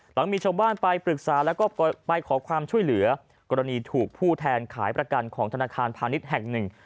หลังมีชาวบ้านไปปรึกษาแล้วก็ไปขอความช่วยเหลือกรณีถูกผู้แทนขายประกันของธนาคารพาณิชย์แห่งหนึ่ง